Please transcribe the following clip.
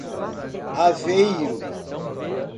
Aveiro